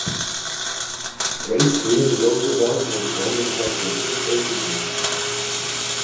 Grace Green Roosevelt was born in San Francisco to Brig.